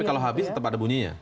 tapi kalau habis tetap ada bunyinya